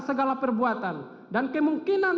segala perbuatan dan kemungkinan